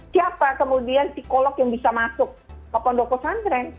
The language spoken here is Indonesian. siapa kemudian psikolog yang bisa masuk ke kondoko santren